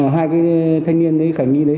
hai cái thanh niên đấy khải nhi đấy